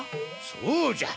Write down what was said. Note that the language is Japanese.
そうじゃ。